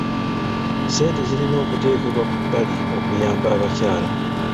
Essente zirina okuteekebwa ku bbali okuyamba abakyala.